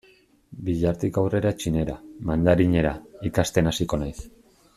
Bihartik aurrera txinera, mandarinera, ikasten hasiko naiz.